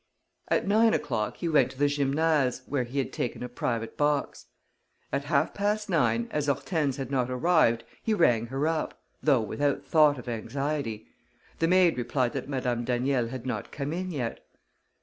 At nine o'clock he went to the Gymnase, where he had taken a private box. At half past nine, as Hortense had not arrived, he rang her up, though without thought of anxiety. The maid replied that Madame Daniel had not come in yet.